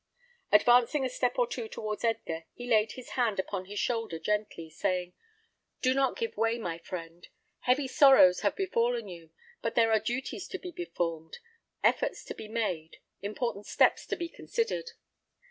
Advancing a step or two towards Edgar, he laid his hand upon his shoulder gently, saying, "Do not give way, my friend. Heavy sorrows have befallen you; but there are duties to be performed, efforts to be made, important steps to be considered.